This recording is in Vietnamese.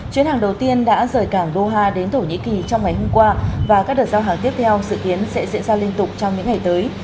chuyến hàng đầu tiên đã rời cảng doha đến thổ nhĩ kỳ trong ngày hôm qua và các đợt giao hàng tiếp theo dự kiến sẽ diễn ra liên tục trong những ngày tới